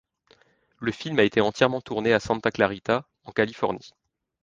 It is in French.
Le film a été entièrement tourné à Santa Clarita en Californie.